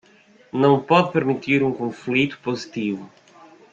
Não pode permitir um conflito positivo